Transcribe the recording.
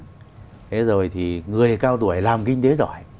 thế rồi thì người cao tuổi làm kinh tế giỏi